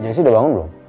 jasi udah bangun belum